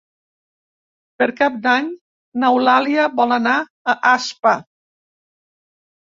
Per Cap d'Any n'Eulàlia vol anar a Aspa.